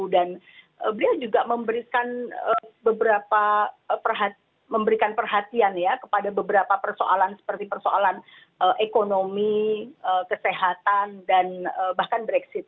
dan beliau juga memberikan beberapa perhatian ya kepada beberapa persoalan seperti persoalan ekonomi kesehatan dan bahkan brexit